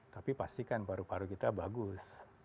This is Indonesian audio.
tapi pastikan paru paru kita bagus